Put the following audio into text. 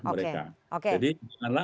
mereka jadi janganlah